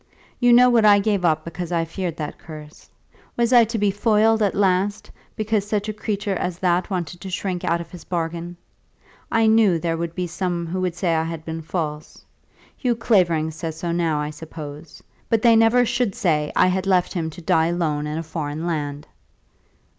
You know what I gave up because I feared that curse. Was I to be foiled at last, because such a creature as that wanted to shirk out of his bargain? I knew there were some who would say I had been false. Hugh Clavering says so now, I suppose. But they never should say I had left him to die alone in a foreign land."